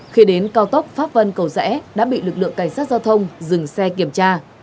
khi đến cao tốc pháp vân cầu rẽ đã bị lực lượng cảnh sát giao thông dừng xe kiểm tra